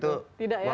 tidak ya tidak pernah